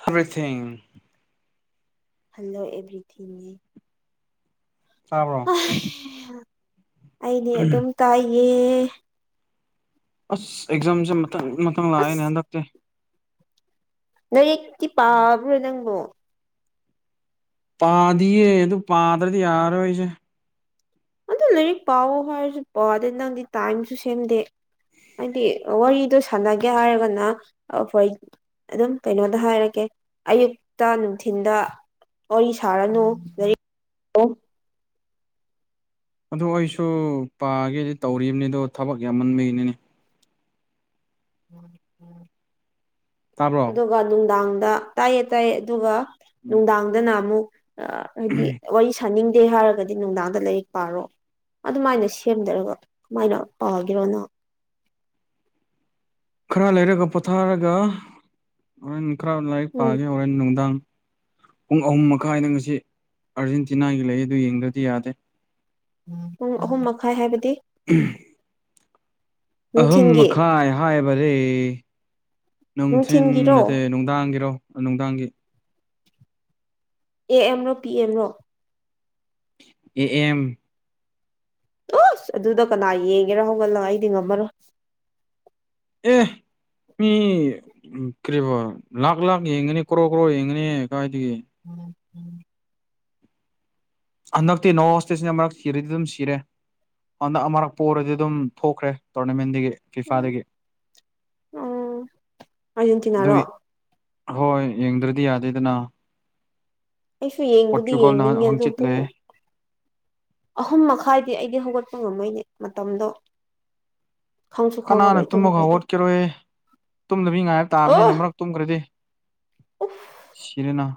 ꯍꯕꯔꯤ ꯊꯤꯡ ꯍꯜꯂꯣ ꯑꯦꯚ꯭ꯔꯤꯊꯤꯡꯅꯦ ꯆꯥꯕ꯭ꯔꯣ ꯑꯩꯅꯦ ꯑꯗꯨꯝ ꯀꯥꯏꯌꯦ ꯑꯁ ꯑꯦꯛꯖꯥꯝꯁꯦ ꯃꯊꯪ ꯃꯊꯪ ꯂꯥꯛꯑꯦꯅꯦ ꯍꯟꯗꯛꯇꯤ ꯅ ꯑꯛꯇꯤ ꯄꯥꯕ꯭ꯔꯣ ꯅꯪꯕꯨꯣ ꯄꯥꯗꯤꯌꯦ ꯑꯗꯨ ꯄꯥꯗ꯭ꯔꯗꯤ ꯌꯥꯔꯣꯏꯁꯦ ꯑꯗꯨ ꯂꯥꯏꯔꯤꯛ ꯄꯥꯎꯑꯣ ꯍꯥꯏꯔꯁꯨ ꯄꯥꯎ ꯑꯗꯩ ꯅꯪꯗꯤ ꯇꯥꯏꯝꯁꯨ ꯁꯦꯝꯗꯦ ꯍꯥꯏꯗꯤ ꯋꯥꯔꯤꯗꯣ ꯁꯥꯟꯅꯒꯦ ꯍꯥꯏꯔꯒꯅ ꯐꯣꯔ ꯑꯗꯨꯝ ꯀꯩꯅꯣꯗ ꯍꯥꯏꯔꯛꯀꯦ ꯑꯌꯨꯛꯇ ꯅꯨꯡꯊꯤꯤꯟꯗ ꯋꯥꯔꯤ ꯁꯥꯔꯅꯨꯔꯤ ꯑꯗꯨ ꯑꯩꯁꯨ ꯄꯥꯒꯦꯗꯤ ꯇꯧꯔꯤꯕꯅꯤ ꯑ ꯑꯗꯨꯣ ꯊꯕꯛ ꯌꯥꯝꯃꯟꯕꯩꯅꯤꯅꯦ ꯇꯥꯕ꯭ꯔꯣ ꯑꯗꯨꯒ ꯅꯨꯡꯗꯥꯡꯗ ꯇꯥꯏꯌꯦꯦ ꯇꯥꯏꯌꯦꯦ ꯑꯗꯨꯒ ꯅꯨꯡꯗꯥꯡꯗꯅ ꯑꯃꯨꯛ ꯍꯥꯏꯗꯤ ꯋꯥꯔꯤ ꯁꯥꯅꯤꯡ ꯗꯦ ꯍꯥꯏꯔꯒꯗꯤ ꯅꯨꯡꯗꯥꯡꯗ ꯂꯥꯏꯔꯤꯛ ꯄꯥꯔꯣ ꯑꯗꯨꯃꯥꯏꯅ ꯁꯦꯝꯗꯔꯒ ꯀꯃꯥꯏꯅ ꯄꯥꯒꯔꯣꯅꯪ [unintelligible] ꯈꯔ ꯂꯩꯔꯒ ꯄꯣꯊꯥꯔꯒ ꯍꯣꯔꯦꯟ ꯈꯔ ꯂꯥꯏꯔꯤꯛ ꯎꯝ ꯄꯥꯒꯦ ꯍꯣꯔꯦꯟ ꯅꯨꯡꯗꯥꯡ ꯄꯨꯡ ꯑꯍꯨꯝ ꯃꯈꯥꯏꯗ ꯉꯁꯤ ꯑꯥꯔꯖꯦꯟꯇꯤꯅꯥꯒꯤ ꯂꯩ ꯑꯗꯨ ꯌꯦꯡꯗ꯭ꯔꯗꯤ ꯌꯥꯗꯦ ꯄꯨꯡ ꯑꯍꯨꯝ ꯃꯈꯥꯏ ꯍꯥꯏꯕꯗꯤ ꯎꯝ ꯑꯍꯨꯝ ꯅꯨꯡꯊꯤꯟꯒꯤ ꯃꯈꯥꯏ ꯍꯥꯏꯕꯔꯦ ꯅꯨꯡꯊꯤꯟ ꯅꯠꯇꯦ ꯅꯨꯡꯊꯤꯟꯒꯤꯔꯣ ꯅꯨꯡꯗꯥꯡꯒꯤꯔꯣ ꯅꯨꯡꯗꯥꯡꯒꯤ ꯑꯦ ꯑꯦꯝ ꯔꯣ ꯄꯤ ꯑꯦꯝꯔꯣ ꯑꯦ ꯑꯦꯝ ꯑꯣꯁ ꯑꯗꯨꯗ ꯀꯅꯥ ꯌꯦꯡꯒꯦꯔ ꯍꯧꯒꯠꯂꯒ ꯑꯩꯗꯤ ꯉꯝꯃꯔꯣꯏ ꯄ ꯃꯤ ꯀꯣ ꯂꯈ ꯂꯈ ꯌꯦꯡꯒꯅꯤ ꯀ꯭ꯔꯣ ꯀꯣ ꯍꯡꯅꯤ ꯀꯥꯏ ꯂꯩ ꯎꯝ ꯍꯟꯗꯛꯇꯤ ꯅꯣꯣꯁꯇꯦꯁꯤꯅ ꯃꯔꯛ ꯁꯤꯔꯗꯤ ꯑꯗꯨꯝ ꯁꯤꯔꯦ ꯍꯟꯗꯛ ꯑꯃꯔꯛꯄ ꯑꯣꯏꯔꯗꯤ ꯑꯗꯨꯝ ꯊꯣꯛꯈ꯭ꯔꯦ ꯇꯣꯔꯅꯃꯦꯟꯗꯒꯤ ꯀꯤꯐꯥꯗꯒꯤ ꯎꯝ ꯑꯥꯔꯖꯦꯟꯇꯤꯅꯥꯔꯣ ꯏ ꯍꯣꯏ ꯌꯦꯡꯗ꯭ꯔꯗꯤ ꯌꯥꯗꯦꯗꯅ ꯑꯩꯁꯨ ꯌꯦꯡꯕꯨꯗꯤ ꯄꯣꯔꯆꯨꯒꯜꯅ ꯌꯦꯡꯅꯤꯡꯉꯦ ꯑꯗꯣ ꯍꯪꯆꯤꯠ ꯄꯨꯡ ꯂꯩꯌꯦ ꯑꯍꯨꯝ ꯃꯈꯥꯏꯗꯤ ꯑꯩꯗꯤ ꯍꯧꯒꯠꯄ ꯉꯝꯃꯣꯏꯅꯦ ꯃꯇꯝꯗꯣ ꯈꯪꯁꯨ ꯀꯅꯥꯅ ꯈꯪꯉꯔꯣꯏ ꯇꯨꯝꯃꯒ ꯇꯨꯝꯈ꯭ꯔꯗꯤ ꯍꯧꯠꯀꯔꯣꯏ ꯇꯨꯝꯗꯕ ꯃꯤ ꯉꯥꯏꯕ ꯑꯣ ꯇꯥꯕꯅꯤꯅ ꯃꯔꯛ ꯇꯨꯝꯈ꯭ꯔꯗꯤ ꯁꯤꯔꯅꯥ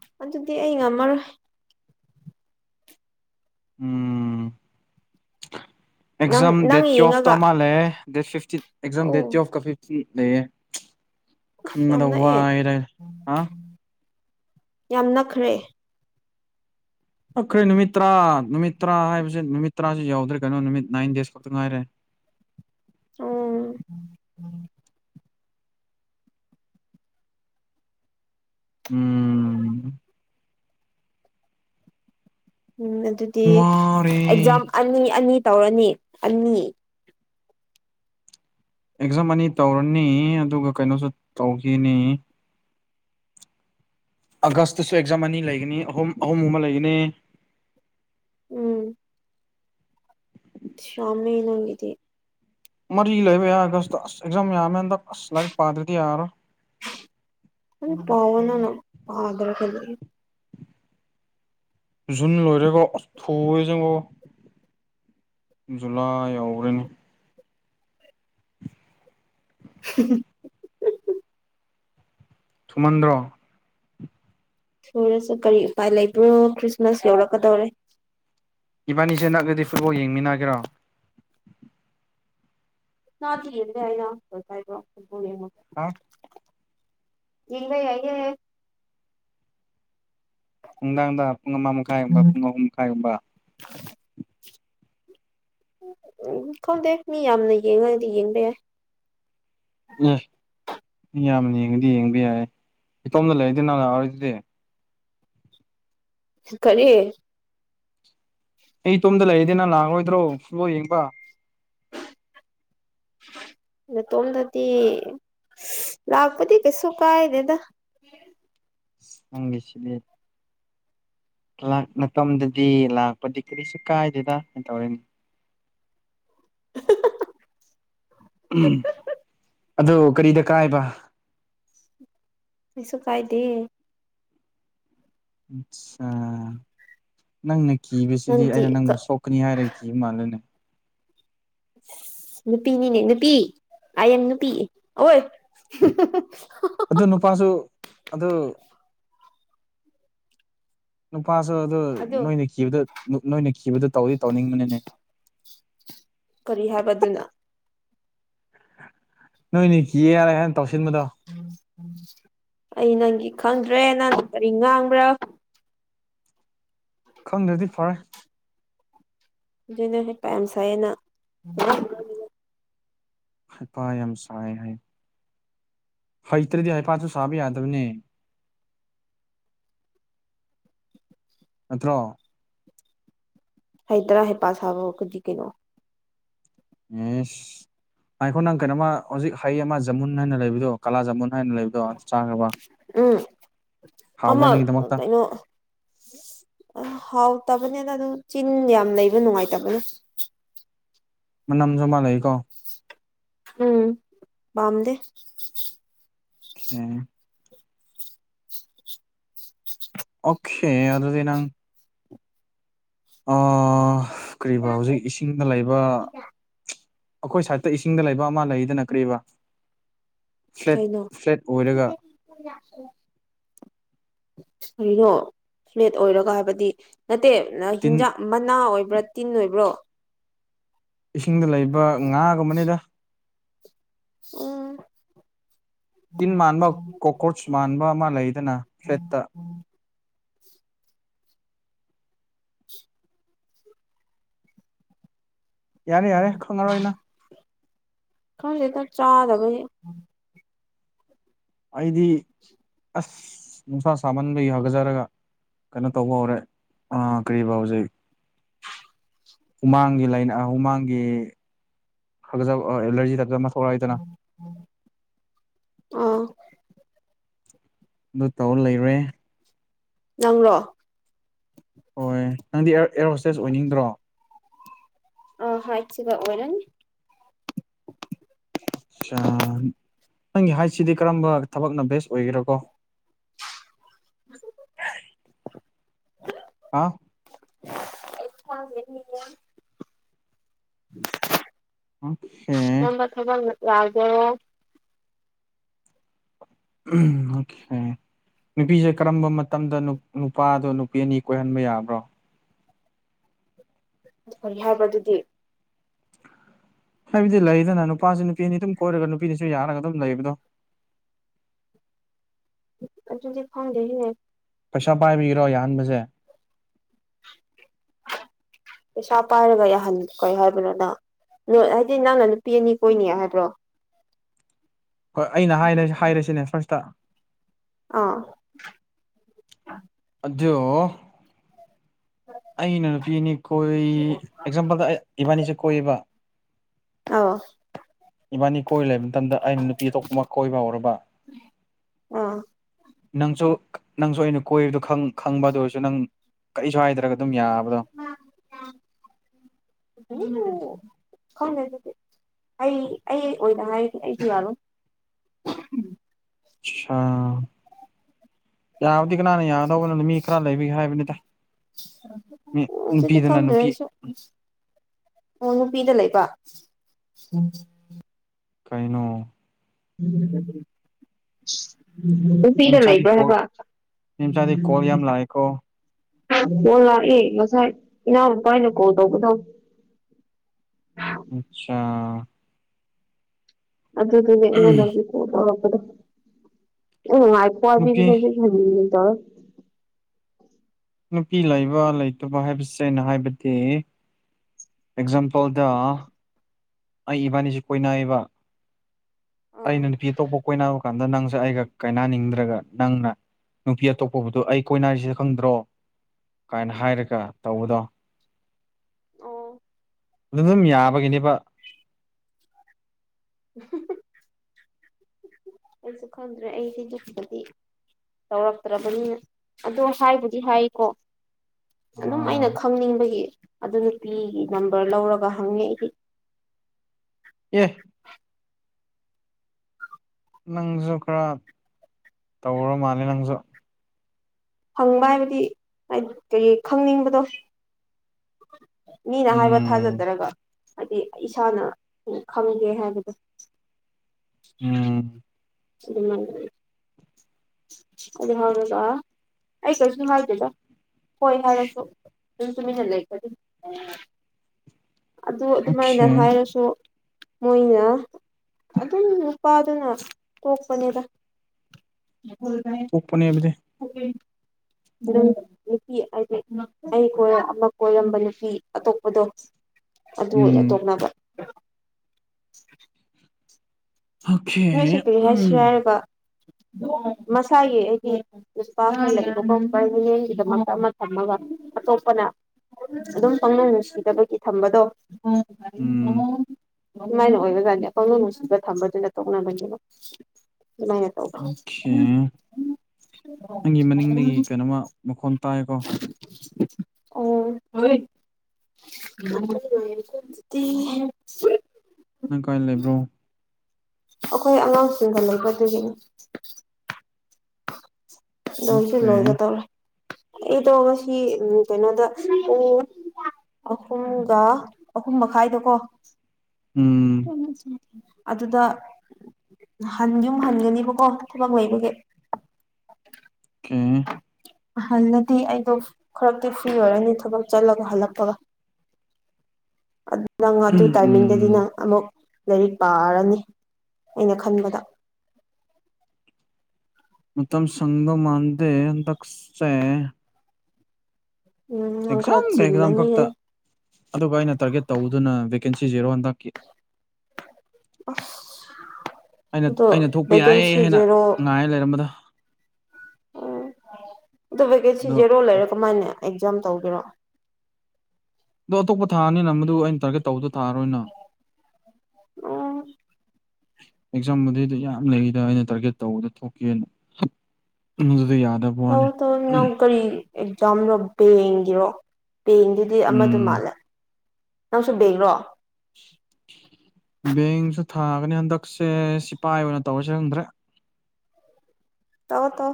ꯗꯤ ꯑꯩ ꯉꯝꯃꯔꯣꯏ ꯎꯝ ꯅꯪ ꯑꯦꯛꯖꯝ ꯅꯪ ꯗꯦꯇ ꯑꯣꯐ ꯇ ꯌꯦꯡꯉꯒ ꯃꯥ ꯂꯩꯦ [inaudible] ꯗꯦꯠ ꯐꯤꯐꯇꯤꯟ ꯑꯦꯛꯖꯥꯝ ꯗꯦꯠ ꯇ ꯑꯣ ꯑꯣꯐ ꯀ ꯐꯤꯇꯤꯟ ꯂꯩꯌꯦ ꯑꯁ ꯌꯥꯝ ꯈꯪꯉꯗ ꯎ ꯋꯥ ꯅꯛꯑꯦ ꯍꯥꯏꯔ ꯑ ꯌꯥꯝ ꯅꯛꯈ꯭ꯔꯦ ꯑꯩꯈꯣꯏ ꯅꯨꯃꯤꯠ ꯇꯔꯥ ꯅꯨꯃꯤꯠ ꯇꯔꯥ ꯍꯥꯏꯕꯕꯁꯤꯦ ꯅꯨ ꯇꯔꯥꯁꯨ ꯌꯥꯎꯗ꯭ꯔꯦ ꯀꯩꯅꯣ ꯅꯨꯃꯤꯠ ꯅꯥꯏꯟ ꯗꯦꯖ ꯈꯛꯇ ꯉꯥꯏꯔꯦ ꯎꯝ ꯎꯝ [inaudible] ꯎꯝ ꯑꯗꯨꯗꯤ ꯋꯥꯔꯦ ꯑꯦꯛꯖꯥꯝ ꯑꯅꯤ ꯑꯅꯤ ꯇꯧꯔꯅꯤ ꯑꯅꯤ ꯑꯦꯛꯖꯥꯝ ꯑꯅꯤ ꯇꯧꯔꯅꯤ ꯑꯗꯨꯒ ꯀꯩꯅꯣꯁꯨ ꯇꯧꯈꯤꯅꯤ ꯑꯥꯒꯁꯇꯁꯨ ꯑꯦꯛꯖꯥꯝ ꯑꯅꯤ ꯂꯩꯒꯅꯤ ꯑꯍꯨꯝ ꯑꯍꯨꯝ ꯑꯃ ꯂꯩꯒꯅꯤ ꯎꯝ [inaudible] ꯁꯝ ꯌꯦꯅꯗꯤ ꯃꯔꯤ ꯂꯩꯕ ꯌꯥ ꯑꯥꯒꯁꯇ ꯑꯁ ꯑꯦꯛꯖꯥꯝ ꯌꯥꯝꯃꯦ ꯍꯟꯗꯛ ꯑꯁ ꯂꯔ ꯄꯥꯗ꯭ꯔꯗꯤ ꯌꯥꯔ ꯑꯗ꯭ꯔ ꯈ ꯂꯩ [inaudible] ꯖꯟ ꯂꯣꯏꯔꯦꯒꯣ ꯊꯨꯋꯦꯖꯉꯣ ꯖꯨꯂꯥ ꯌꯎꯈ꯭ꯔꯦꯅꯦ ꯎ [unintelligible] [inaudible] ꯁꯨꯃꯟꯗ꯭ꯔ ꯊꯨꯔꯁꯨ ꯀꯔꯤ ꯎꯄꯥꯏ ꯂꯩꯕ꯭ꯔꯣ ꯈ꯭ꯔꯤꯁꯃꯥꯁ ꯌꯧꯔꯛꯀꯗꯧꯔꯦ ꯏꯕꯥꯅꯤꯁꯦ ꯅꯛꯒꯗꯤ ꯐꯨꯠꯕꯣꯜ ꯌꯦꯡꯃꯤꯟꯅꯒꯦꯔꯣ ꯁꯥꯇꯤ ꯌꯦꯗ꯭ꯔꯣꯅꯦ ꯍꯥ ꯏꯅ ꯌꯥꯏꯦ ꯍꯥꯏ ꯅꯨꯡꯗꯥꯡꯗ ꯄꯨꯡ ꯑꯃ ꯃꯈꯥꯏꯒꯨꯝꯕ ꯄꯨꯡ ꯑꯍꯨꯝ ꯃꯈꯥꯏꯒꯨꯝꯕ ꯎ ꯎꯝ ꯈꯪꯗꯦ ꯃꯤ ꯌꯥꯝꯅ ꯌꯦꯡꯉꯒꯗꯤ ꯌꯦꯡꯕ ꯌꯥꯏ ꯎ [unintelligible] [inaudible] ꯌꯥꯝꯅ ꯌꯦꯡꯉꯗꯤ ꯌꯦꯡꯕ ꯌꯥꯏꯦ ꯏꯇꯣꯝꯅ ꯂꯩꯔꯗ ꯅꯍ ꯂꯛꯑꯣꯔꯗꯨꯗꯤ ꯈꯔꯤꯌꯦ ꯑꯩ ꯏꯇꯣꯝꯗ ꯂꯩꯔꯗꯤꯅ ꯂꯥꯛꯔꯣꯏꯗ꯭ꯔꯣ ꯐꯨꯠꯕꯣꯜ ꯌꯦꯡꯕ ꯅꯇꯣꯝꯗꯗꯤ ꯂꯥꯛꯄꯗꯤ ꯀꯩꯁꯨ ꯀꯥꯏꯗꯗ ꯅꯪꯒꯦꯁꯤ ꯂꯩ ꯂꯥꯛ ꯃꯇꯝꯗꯗꯤ ꯂꯥꯛꯄꯗꯤ ꯀꯔꯤꯁꯨ ꯀꯥꯏꯗꯦꯗ ꯀ ꯇꯧꯔꯤꯅꯦ [unintelligible] [inaudible] ꯎꯝ ꯑ ꯀꯔꯤꯗ ꯀꯥꯏꯕ ꯀꯩꯁꯨ ꯀꯥꯏꯗꯦ ꯑꯆꯥ ꯅꯪꯅ ꯀꯤꯕꯁꯤꯗꯤ ꯅꯪꯗꯤ ꯑꯩꯅ ꯅꯪꯕꯨ ꯁꯣꯛꯀꯅꯤ ꯍꯥꯏꯔꯒ ꯀꯤ ꯃꯥꯜꯂꯦꯅꯦ ꯅꯨꯄꯤꯅꯤꯅꯦ ꯅꯨꯄꯤ ꯑꯥꯏ ꯑ ꯅꯨꯄꯤ ꯑꯣꯏꯣꯏ ꯑꯗꯨ ꯅꯨꯄꯥꯁꯨ ꯑꯗꯨ ꯅꯨꯄꯥꯁꯨ ꯑꯗꯨꯗꯣ ꯑꯗꯨ ꯅꯣꯏꯅ ꯀꯤꯕꯗ ꯅꯣꯏꯅ ꯀꯤꯕꯗ ꯇꯧꯗꯤ ꯇꯧꯅꯤꯡꯕꯅꯤꯅꯦ ꯀꯔꯤ ꯍꯥꯏꯕ ꯑꯗꯨꯅ ꯅꯣꯏꯅꯤ ꯀ ꯌꯥꯔ ꯍꯦꯟ ꯑꯩ ꯅꯪꯒꯤ ꯈꯪꯗ꯭ꯔꯦ ꯅꯪ ꯀꯔꯤ ꯉꯥꯡꯕ꯭ꯔꯥ ꯈꯪꯗ꯭ꯔꯗꯤ ꯐꯔꯦ ꯑꯗꯨꯅ ꯍ ꯄꯥꯏꯝ ꯁꯥꯏꯅ ꯈꯄꯥꯥꯏꯁꯑ ꯍꯥꯏ ꯍꯩꯇ꯭ꯔꯗꯤ ꯍꯥꯏ ꯄꯥꯁꯨꯨ ꯁꯥꯥꯕ ꯌꯥꯗꯕꯅꯦ ꯅꯠꯇ꯭ꯔꯣ ꯍ ꯇꯔꯥ ꯍꯦ ꯄꯁꯥꯕ ꯀꯖꯤ ꯀꯩꯅꯣ ꯑꯦ ꯍꯥꯏ ꯑꯩꯈꯣ ꯅꯪ ꯀꯩꯅꯣꯝꯃ ꯍꯧꯖꯤꯛ ꯍꯩ ꯑꯃ ꯖꯃꯨꯟ ꯍꯥꯏꯅ ꯂꯩꯕꯗꯣ ꯀꯥꯂꯥ ꯖꯃꯨꯟ ꯍꯥꯏꯥꯏꯅ ꯂꯩꯕꯗꯣ ꯑꯗꯨ ꯆꯥꯈ꯭ꯔꯕ ꯎꯝ ꯍꯥꯎꯕ꯭ꯔꯥ ꯅꯪꯒꯤꯗꯃꯛꯇ ꯑ ꯍꯥꯎꯇꯕꯅꯤꯅ ꯑꯗꯨ ꯆꯤꯟ ꯌꯥꯝ ꯂꯩꯕ ꯅꯨꯡꯉꯥꯏꯇꯕꯅ ꯃꯅꯝꯁꯨ ꯃꯥꯜ ꯂꯩꯀꯣ ꯎꯝ ꯋꯥꯝꯗ ꯍ ꯑꯣꯁꯦ ꯑꯗꯨꯗꯤ ꯅꯪ ꯀꯔꯤꯕ ꯍꯧꯖꯤꯛ ꯏꯁꯤꯡꯗ ꯂꯩꯕ ꯑꯩꯈꯣꯏ ꯁꯥꯏꯠꯇ ꯏꯁꯤꯡꯗ ꯂꯩꯕ ꯑꯃ ꯂꯩꯗ ꯅꯠꯇ꯭ꯔꯤꯕ ꯀꯩꯩꯅꯣ ꯀꯔꯤꯅꯣ ꯐ꯭ꯂꯦꯠ ꯑꯣꯏꯔꯒ ꯍꯥꯏꯕꯗꯤ ꯅꯠꯇꯦ ꯇꯤꯟ ꯍꯤꯟꯖꯥꯛ ꯃꯅꯥ ꯑꯣꯏꯕ ꯕ꯭ꯔꯥ ꯇꯤꯟ ꯑꯣꯏꯕ꯭ꯔꯣ ꯏꯤꯡꯗ ꯂꯩꯕ ꯉꯥꯒꯨꯝꯕꯅꯤꯗ ꯎ ꯇꯤꯟ ꯃꯥꯟꯕ ꯀꯣꯀ꯭ꯔꯣꯆ ꯃꯥꯟꯕ ꯑꯃ ꯂꯩꯗꯅ ꯐ꯭ꯂꯦꯠꯇ [inaudible] ꯌꯥꯔꯦ ꯌꯥꯔꯦ ꯈꯪꯉꯔꯣꯏꯅ ꯈꯔꯦ ꯇ ꯆꯥꯗꯕꯦ ꯑꯩꯗꯤ ꯑꯁ ꯅꯨꯡꯁꯥ ꯁꯥꯃꯟꯕꯒꯤ ꯍꯧꯒꯠꯖꯔꯒ ꯀꯩꯅꯣ ꯇꯧꯕ ꯍꯧꯔꯦ ꯀꯔꯤꯕ ꯍꯧꯖꯤꯛ ꯍꯨꯃꯥꯡꯒꯤ ꯂꯥꯏꯅ ꯍꯨꯃꯥꯡꯒꯤꯆ ꯑꯦꯂꯔꯖꯤ ꯇꯖꯕ ꯀꯔꯥꯏꯗꯅ ꯑꯥ ꯑꯗꯨ ꯇꯧꯔ ꯂꯩꯔꯦ ꯅꯪꯔꯣ ꯍꯣꯏ ꯅꯪꯗꯤ ꯑꯦꯔꯣ ꯍꯣꯁꯇꯦꯁ ꯑꯣꯏꯅꯤꯡꯗ꯭ꯔꯣ ꯑ ꯍꯆ ꯑꯣꯏꯔꯅꯤ ꯑ ꯅꯪꯒꯤ ꯍꯥꯏꯠꯁꯤꯗꯤ ꯀꯔꯝꯕ ꯊꯕꯛꯅ ꯕꯦꯁ ꯑꯣꯏꯒꯦꯔꯀꯣ [inaudible] [inaudible] ꯍꯥ ꯑ ꯌꯦꯅꯤ ꯑꯁꯦ ꯔꯒ ꯑꯣꯈꯦ ꯅꯨꯄꯤꯁꯦ ꯀꯔꯝꯕ ꯃꯇꯝꯗ ꯅꯨꯄꯥꯗꯣ ꯅꯨꯄꯤ ꯑꯅꯤ ꯀꯣꯏꯍꯟꯕ ꯌꯥꯕ꯭ꯔꯣ ꯍꯥꯏꯕ ꯑꯗꯨꯗꯤ ꯍꯥꯏꯕꯗꯤ ꯂꯩꯗꯅ ꯅꯨꯄꯥꯁꯤ ꯅꯨꯄꯤꯅꯤ ꯑꯗꯨꯝ ꯀꯣꯏꯔꯒ ꯅꯨꯄꯤꯅꯤꯁꯨ ꯌꯥꯔꯒ ꯑꯗꯨꯝ ꯂꯩꯕꯗꯣ [inaudible] ꯑꯗꯨꯗꯤ ꯈꯥꯎꯗꯦꯅꯦ ꯄꯩꯁꯥ ꯄꯥꯏꯕꯤꯔꯣ ꯌꯥꯍꯟꯕꯁꯦ ꯄꯩꯁꯥ ꯄꯥꯏꯔꯒ ꯌꯥꯍꯟ ꯀꯩ ꯍꯥꯏꯕꯅꯤꯅ ꯅ ꯍꯥꯏꯗꯤ ꯅꯪꯅ ꯅꯨꯄꯤ ꯑꯅꯤ ꯀꯣꯏꯅꯤ ꯍꯥꯏꯕ꯭ꯔꯣ ꯍꯣꯏ ꯑꯩꯅ ꯍꯥꯏ ꯍꯥꯏꯔꯁꯤꯅꯦ ꯁꯔꯁꯤꯇ ꯑꯥ ꯌꯣ ꯑꯩꯅ ꯅꯨꯄꯤꯅꯤ ꯀꯣꯏ ꯑꯦꯛꯖꯥꯝꯄꯜꯗ ꯏꯕꯥꯅꯤꯁꯦ ꯀꯣꯏꯌꯦꯕ ꯑꯥꯎ ꯏꯕꯥꯅꯤ ꯀꯣꯏꯔ ꯂꯩꯕ ꯃꯇꯝꯗ ꯑꯩꯅ ꯅꯨꯄꯤ ꯑꯇꯣꯞꯄꯃꯛ ꯀꯣꯏꯕ ꯍꯧꯔꯕ ꯑꯥ ꯅꯪꯁꯨ ꯅꯪꯁꯨ ꯑꯩꯅ ꯀꯣꯏꯔꯗꯣ ꯈꯪꯕ ꯑꯗꯨ ꯑꯣꯏꯔꯁꯨ ꯅꯪ ꯀꯔꯤꯁꯨ ꯍꯥꯏꯏꯗꯅ ꯑꯗꯨꯝ ꯌꯥꯕꯗꯣ ꯈꯪꯗ ꯑꯗꯨꯗꯤ ꯑꯩ ꯑꯩ ꯑꯣꯏꯅ ꯍꯥꯏꯒꯦ ꯑꯩꯁꯨ ꯌꯥꯔꯣ ꯑꯆꯥꯥ ꯌꯥꯕꯨꯗꯤ ꯀꯅꯥꯅ ꯌꯥꯒꯗꯧꯕꯅꯣꯅ ꯃꯤ ꯈꯔ ꯂꯩꯕꯤꯒꯦ ꯍꯥꯏꯕꯅꯤꯗ ꯃꯤ ꯑꯣ ꯑꯗꯨꯗꯤ ꯅꯨꯄꯤꯗꯅ ꯅꯨꯄꯤ ꯈꯪꯗꯁꯨ ꯑꯣꯅꯨ ꯄꯤꯗ ꯂꯩ ꯎꯝ ꯀꯥꯏꯩꯅꯣ ꯎꯝ ꯅꯨꯄꯤꯗ ꯃꯤꯃꯆꯥꯗꯤ ꯂꯩꯕ꯭ꯔ ꯀꯣꯜ ꯍꯥꯏꯕ ꯃꯤꯃꯆꯥꯗꯤ ꯀꯣꯜ ꯌꯥꯝ ꯂꯥꯛꯑꯦꯀꯣ ꯑꯣꯣꯟ ꯂꯥꯛꯏ ꯉꯁꯥꯏ ꯏꯅꯥꯎꯅꯄꯥ ꯑꯅ ꯀꯣꯜ ꯇꯧꯕꯗꯧ ꯑꯆꯥ ꯑꯗꯨ ꯑꯗꯨꯅꯦꯩꯅꯖꯤ ꯀꯣꯄꯗ ꯑꯣꯥꯏ ꯄꯕꯤ ꯅꯨꯄꯤ ꯇꯣ ꯅꯨꯄꯤ ꯂꯩꯕ ꯂꯩꯇꯕ ꯍꯥꯏꯁꯦ ꯑꯅ ꯍꯥꯏꯕꯗꯤ ꯑꯦꯛꯖꯥꯝꯄꯜ ꯁꯣꯜꯗ ꯑꯩ ꯏꯕꯥꯅꯤꯁꯨ ꯀꯣꯏꯅꯏꯕ ꯑꯥ ꯑꯩꯅ ꯅꯨꯄꯤ ꯑꯇꯣꯞꯄ ꯀꯣꯏꯅꯔ ꯀꯥꯟꯗ ꯅꯪꯁꯦ ꯑꯩꯒ ꯀꯥꯏꯅꯅꯤꯡꯗ꯭ꯔꯒ ꯅꯪꯅ ꯅꯨꯄꯤ ꯑꯇꯣꯞꯄꯕꯨꯗꯨꯣ ꯑꯩ ꯀꯣꯏꯅꯔꯤꯁꯤꯦ ꯈꯪꯗ꯭ꯔꯣ ꯀꯥꯏꯅ ꯍꯥꯏꯔꯒ ꯇꯧꯕꯗꯣ ꯑꯣ ꯑꯗꯨ ꯑꯗꯨꯝ ꯌꯥꯕꯒꯤꯅꯦꯕ ꯑꯩꯁꯨ ꯈꯪꯗ꯭ꯔꯦ ꯑꯩꯁꯤ ꯌꯄꯗꯤ ꯇꯧꯔꯛꯇ꯭ꯔꯕꯅꯤꯅ ꯑꯗꯣ ꯍꯥꯏꯕꯨꯗꯤ ꯍꯥꯏꯀꯣ ꯑꯗꯨꯝ ꯑꯥ ꯑꯩꯅ ꯈꯪꯅꯤꯡꯕꯒꯤ ꯑꯗꯨ ꯅꯨꯄꯤꯒꯤ ꯅꯝꯕꯔ ꯂꯧꯔꯒ ꯍꯪꯉꯦ ꯑꯩꯗꯤ ꯑꯦ ꯅꯪꯁꯨ ꯈꯔ ꯇꯧꯔ ꯃꯥꯜꯂꯦ ꯅꯪꯁꯨ ꯍꯪꯕ ꯍꯥꯏꯕꯗꯤ ꯍꯥꯏꯗꯤ ꯀꯩ ꯈꯪꯅꯤꯡꯕꯗꯣ ꯃꯤꯅ ꯍꯥꯏꯕ ꯎꯝ ꯊꯥꯖꯗꯔꯒ ꯍꯥꯏꯗꯤ ꯏꯁꯥꯅ ꯈꯪꯒꯦ ꯍꯥꯏꯕꯗꯣ ꯎꯝ ꯎ ꯑꯗꯨ ꯍꯔꯒ ꯑꯥ ꯑꯩ ꯀꯩꯁꯨꯅꯨꯡ ꯍꯥꯏꯗꯦꯗ ꯍꯣꯏ ꯍꯥꯏꯔꯁꯨ ꯑꯗꯨ ꯊꯃꯤ ꯆꯂ ꯀꯗꯤ ꯑꯗꯨ ꯑꯗꯨꯃꯥꯏꯅ ꯑꯣꯈꯦ ꯍꯥꯏꯔꯁꯨ ꯃꯣꯏꯅ ꯑꯗꯨꯝ ꯅꯨꯄꯥꯗꯨꯅ ꯄꯣꯛꯄꯅꯦꯗ ꯄꯨꯄꯅꯤꯕꯗꯤ [unintelligible] ꯅꯨꯄꯤ ꯍꯥꯏꯗꯤ ꯑꯩ ꯑꯃ ꯀꯣꯏꯔꯝꯕ ꯅꯨꯄꯤ ꯑꯇꯣꯞꯄꯗꯣ ꯑꯗꯨ ꯑꯣꯏꯅ ꯎꯝ ꯇꯣꯛꯅꯕ ꯑꯣꯈꯦ ꯅꯣꯏꯁꯦ ꯀꯔꯤ ꯎꯝ ꯍꯥꯏꯁꯤꯦ ꯍꯥꯏꯔꯕ ꯃꯁꯥꯒꯤ ꯑꯩꯗꯤꯄꯥ ꯂꯩꯕꯅꯦꯁꯤꯗ ꯃ ꯑꯃ ꯊꯝꯃꯒ ꯑꯇꯣꯞꯄꯅ ꯑꯗꯨꯝ ꯄꯪꯅꯨꯡ ꯅꯨꯡꯁꯤꯗꯕꯒꯤ ꯊꯝꯕꯗꯣ ꯎ ꯎ ꯎꯝ ꯑꯗꯨꯃꯥꯏꯅ ꯑꯣꯏꯕꯖꯥꯅꯤ ꯑꯈꯪꯕ ꯅꯨꯡꯁꯤꯠꯇ ꯊꯝꯕꯗꯨ ꯅ ꯇꯧꯅꯕꯅꯦꯕ ꯑꯗꯨꯃꯥꯏꯅ ꯇꯧꯕ ꯑꯣꯈꯦ ꯅꯪꯒꯤ ꯃꯅꯤꯡꯗꯒꯤ ꯀꯩꯅꯣꯃ ꯃꯈꯣꯟ ꯇꯥꯏꯀꯣ ꯑꯣ ꯍꯣꯏ [unintelligible] ꯅꯪ ꯀꯥꯏꯅ ꯂꯩꯕ꯭ꯔꯣ ꯑꯩꯈꯣꯏ ꯑꯉꯥꯡꯁꯤꯡꯗ ꯂꯩꯒꯗꯗꯒꯤꯅꯤ ꯂꯁꯤꯤ ꯑꯣꯈꯦ ꯂꯣꯒ ꯇꯧꯔ ꯑꯩꯗꯣ ꯉꯁꯤ ꯀꯩꯅꯣꯗ ꯑꯣ ꯑꯍꯨꯝꯒ ꯑꯍꯨꯝ ꯃꯈꯥꯏꯗꯣꯀꯣ ꯎꯝ ꯑꯗꯨꯗ ꯍꯟ ꯌꯨꯝ ꯍꯟꯒꯅꯦꯕꯀꯣ ꯊꯕꯛ ꯂꯩꯕꯒꯦ ꯑꯥ ꯍꯜꯂꯗꯤ ꯑꯩꯗꯣ ꯈꯔꯛꯇꯤ ꯐ꯭ꯔꯤ ꯑꯣꯏꯔꯅꯤ ꯊꯕꯛ ꯆꯠꯂꯒ ꯍꯜꯂꯛꯄꯒ [unintelligible] ꯅꯪ ꯑꯗꯨ ꯇꯥꯏꯃꯤꯡꯗꯗꯤ ꯎꯝ ꯅꯪ ꯑꯃꯨꯛ ꯂꯥꯏꯔꯤꯛ ꯄꯥꯔꯅꯤ ꯑꯩꯅ ꯈꯟꯕꯗ ꯃ ꯃꯇꯝ ꯁꯒꯣ ꯃꯥꯟꯗꯦꯗꯛꯁ ꯎꯝ ꯅꯪ ꯈꯔ ꯑꯦꯛꯖꯥꯝꯒ ꯑꯦꯛꯖꯥꯝ ꯆꯤꯜꯂꯅꯤ ꯈꯛꯇ ꯑꯗꯨꯒ ꯑꯩꯅ ꯇꯥꯔꯒꯦꯠ ꯇꯧꯗꯨꯅ ꯀ ꯀꯦꯟꯁꯤ ꯖꯦꯔꯣ ꯑꯟ ꯇꯀꯤ ꯣ ꯑꯩꯅ ꯊꯣꯛꯄ ꯌꯥꯏ ꯍꯥꯏꯅ ꯦꯀꯦꯟꯁꯤꯖꯩꯅꯣ ꯉꯥꯏ ꯂꯩꯔꯝꯕꯗꯣ ꯑꯗꯣ ꯚꯦꯀꯦꯟꯁꯤ ꯑꯗꯣ ꯖꯦꯔꯣ ꯂꯩꯔꯦ ꯀꯃꯥꯏꯅꯦ ꯑꯦꯛꯖꯥꯝ ꯇꯧꯒꯦꯔꯣ ꯑꯗꯣ ꯑꯇꯣꯞꯄ ꯊꯥ ꯑꯅ ꯃꯗꯨ ꯑꯩꯅ ꯇꯥꯔꯒꯦꯠ ꯇꯧꯗ ꯊꯥꯔꯣꯏꯅ ꯎꯝ ꯑꯦꯛꯖꯥꯝꯕꯨꯗꯤꯗ ꯌꯥꯝ ꯂꯩꯗ ꯑꯩꯅ ꯇꯥꯔꯒꯦꯠ ꯇꯧꯕꯗ ꯊꯣꯛꯀꯦꯅ ꯑꯗꯨ ꯑꯗꯨꯗ ꯌꯥꯗ ꯄꯅꯦ ꯑꯦꯛꯖꯥꯝꯗꯣ ꯕꯦꯡꯒꯤꯔꯣ ꯕꯦꯡꯗꯨꯗꯤ ꯑꯃꯗ ꯎꯝ ꯃꯥꯜꯂꯦ ꯅꯪꯁꯨꯕꯦꯡꯔꯣ ꯕꯦꯡꯁꯨ ꯊꯥꯒꯅꯤ ꯍꯟꯗꯛꯁꯦ ꯁꯤꯐꯥꯏ ꯑꯣꯏꯅ ꯇꯧꯔꯁ ꯈꯪꯗ꯭ꯔꯦ [unintelligible] ꯇꯧ ꯇꯣ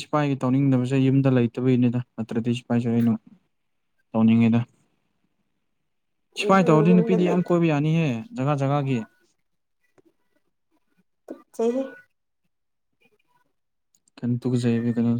ꯁꯤꯐꯥꯏꯒꯤ ꯇꯧꯅꯤꯡꯗꯕꯁꯦ ꯌꯨꯝꯗ ꯂꯩꯇꯕꯒꯤꯅꯤꯗ ꯅꯠꯇ꯭ꯔꯗꯤ ꯁꯤꯐꯥꯏꯁꯦ ꯑꯩꯅ ꯇꯧꯅꯤꯡꯉꯤꯗ ꯏꯐꯥꯏꯅ ꯑꯗꯨꯅ ꯇꯧꯔꯗꯤ ꯌꯨꯝꯗ ꯅꯨꯄꯤꯗꯤ ꯂꯩ ꯌꯥꯝ ꯀꯣꯏꯕ ꯌꯥꯅꯤꯍꯦ ꯖꯒꯥ ꯖꯒꯥꯒꯤ ꯄꯆꯦ ꯀꯩꯅ ꯇꯨꯒꯁꯥꯏꯕꯤ ꯀꯩꯅꯣ